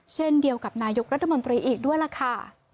เช่นเดียวกับนายกรัฐมนตรีอีกด้วยล่ะค่ะ